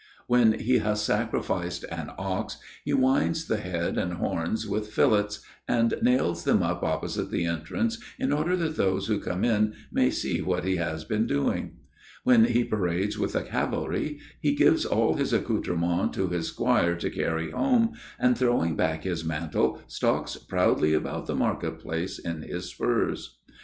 When he has sacrificed an ox, he winds the head and horns with fillets, and nails them up opposite the entrance, in order that those who come in may see what he has been doing. When he parades with the cavalry, he gives all his accoutrements to his squire to carry home, and throwing back his mantle stalks proudly about the market place in his spurs.